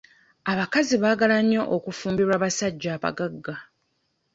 Abakazi baagala nnyo okufumbirwa abasajja abagagga.